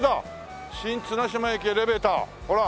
「新綱島駅エレベーター」ほら。